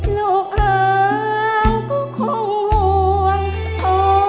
ลูกเราก็คงว่น